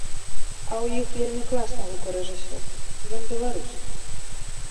А ў іх вельмі класны гукарэжысёр, ён беларус.